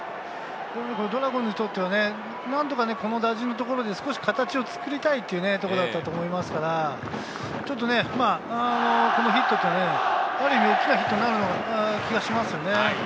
ドラゴンズにとっては何とかこの打順のところで形を作りたいというところだったと思いますから、このヒットってね、ある意味、大きなヒットになる気がしますね。